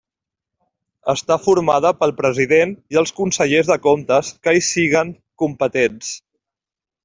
Està formada pel President i els Consellers de Comptes que hi siguen competents.